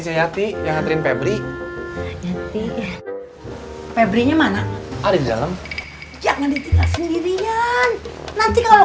si yati yang ngaterin febri febrinya mana ada di dalam cadangan ditinggal sendirian nanti kalau